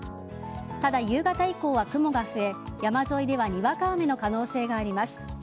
ただ、夕方以降は雲が増え山沿いではにわか雨の可能性があります。